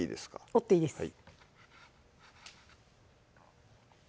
折っていいです